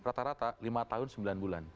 rata rata lima tahun sembilan bulan